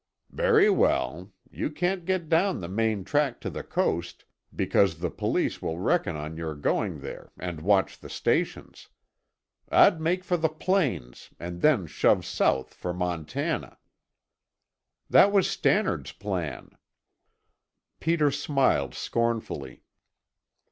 "Very well! You can't get down the main track to the coast, because the police will reckon on your going there and watch the stations. I'd make for the plains and then shove south for Montana." "That was Stannard's plan." Peter smiled scornfully.